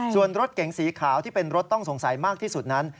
ส่วนรถเก๋งสีขาวที่เป็นรถต้องสงสัยมากที่สุดนั้น